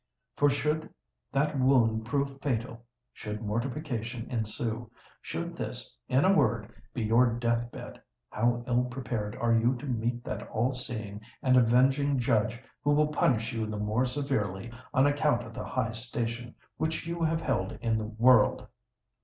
For should that wound prove fatal—should mortification ensue—should this, in a word, be your death bed, how ill prepared are you to meet that all seeing and avenging Judge who will punish you the more severely on account of the high station which you have held in the world!"